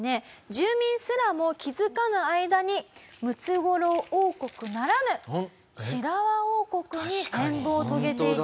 住民すらも気付かぬ間にムツゴロウ王国ならぬシラワ王国に変貌を遂げていたという事なんです。